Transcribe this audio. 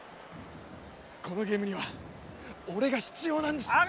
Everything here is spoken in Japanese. このゲームには俺が必要なんです！